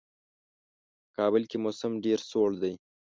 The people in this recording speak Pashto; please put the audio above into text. په کابل کې موسم ډېر سوړ دی.